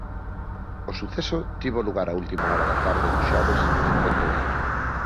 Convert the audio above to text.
O suceso tivo lugar a última hora da tarde do xoves en Pontevedra.